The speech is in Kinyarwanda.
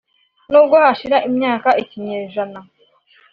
n’ubwo hashira imyaka ikinyejana